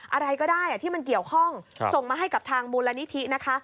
อะไรก็ได้ที่มันเกี่ยวข้องส่งมาให้กับทางมูลนิธินะคะ